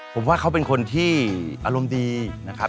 ผมว่าเขาเป็นคนที่อารมณ์ดีนะครับ